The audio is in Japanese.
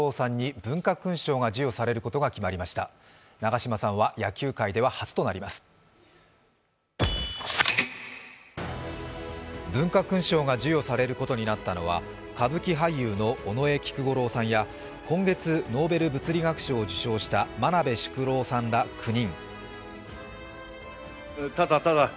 文化勲章が授与されることになったのは、歌舞伎俳優の尾上菊五郎さんや今月ノーベル物理学賞を受賞した真鍋淑郎さんら９人。